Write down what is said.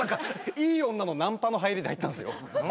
いい女のナンパの入りで入ったんですよ。